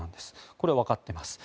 これわかっています。